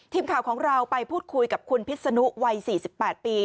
ทีมข่าวของเราไปพูดคุยกับคุณพิษนุวัย๔๘ปี